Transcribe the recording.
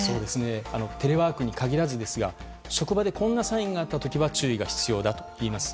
テレワークに限らずですが職場でこんなサインがあった時は注意が必要だといいます。